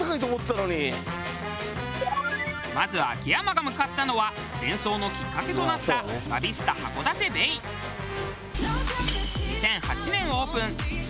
まず秋山が向かったのは戦争のきっかけとなった２００８年オープン。